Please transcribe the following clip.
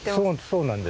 そうなんです。